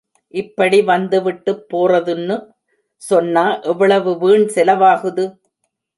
இப்படி வந்துவிட்டுப் போறதுன்னு சொன்னா எவ்வளவு வீண் செலவாகுது?